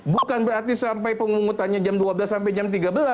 bukan berarti sampai pengumutannya jam dua belas sampai jam tiga belas